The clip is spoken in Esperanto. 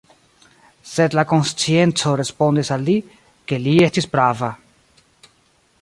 Sed la konscienco respondis al li, ke li estis prava.